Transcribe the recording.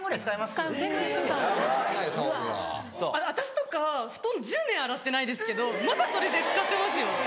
私とか布団１０年洗ってないですけどまだそれで使ってますよ。